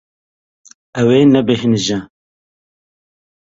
Ew ê nebêhnije.